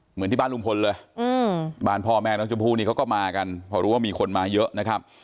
เหมือนที่บ้านลุงพลเลยบ้านพ่อแม่น้องชมพู่นี่เขาก็มากันพอรู้ว่ามีคนมาเยอะนะครับ